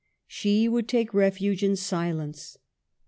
She would take refuge in silence.